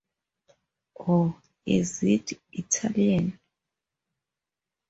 Or is it Italian?